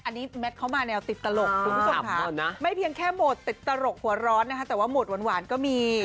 อันนี้แมทเขามาแนวติดตลกคุณผู้ชมค่ะไม่เพียงแค่โหมดติดตลกหัวร้อนนะคะแต่ว่าโหมดหวานก็มี